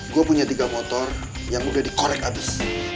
gue punya tiga motor yang udah dikorek abis